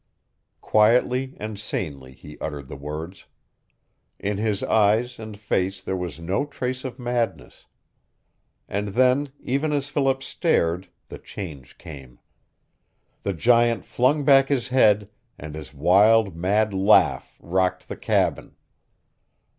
Quietly and sanely he uttered the words. In his eyes and face there was no trace of madness. And then, even as Philip stared, the change came. The giant flung back his head and his wild, mad laugh rocked the cabin.